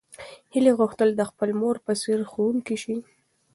هیلې غوښتل چې د خپلې مور په څېر ښوونکې شي.